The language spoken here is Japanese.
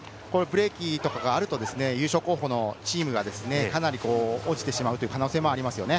ブレーキとかがあると優勝候補のチームがかなり落ちてしまう可能性もあります。